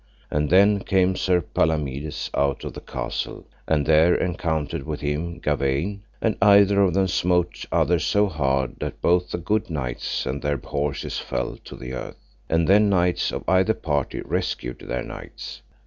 And then came in Sir Palamides out of the castle, and there encountered with him Gawaine, and either of them smote other so hard that both the good knights and their horses fell to the earth. And then knights of either party rescued their knights.